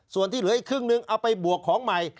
ส่วนที่เหลืออีกครึ่งนึงเอาไปบวกของใหม่